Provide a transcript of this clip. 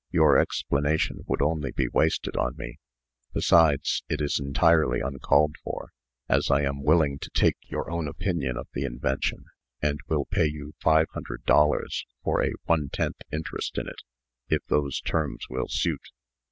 Your explanation would only be wasted on me. Besides, it is entirely uncalled for, as I am willing to take your own opinion of the invention, and will pay you five hundred dollars for a one tenth interest in it, if those terms will suit."